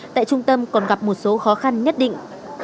tại trung tâm còn gặp một số khó khăn nhất định